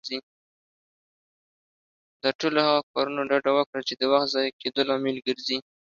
له ټولو هغه کارونه ډډه وکړه، چې د وخت ضايع کيدو لامل ګرځي.